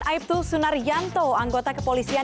aibtu sunaryanto anggota kepolisian